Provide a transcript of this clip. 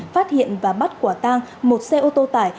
phát hiện và bắt quả tang một xe ô tô tải